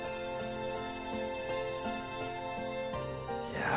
いや。